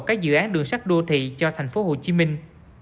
các dự án đường sắt đô thị cho thành phố hồ chí minh